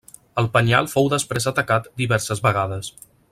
El penyal fou després atacat diverses vegades.